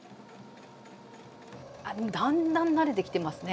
だんだん慣れてきてますね。